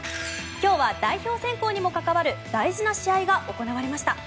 今日は代表選考にも関わる大事な試合が行われました。